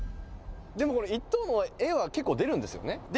「でもこれ１等の絵は結構出るんですよね？」